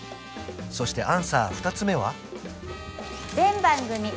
そしてアンサー２つ目は？